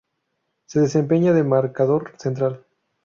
Se desempeña de marcador central.